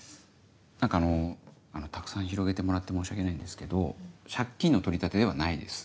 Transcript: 何かたくさん広げてもらって申し訳ないんですけど借金の取り立てではないです。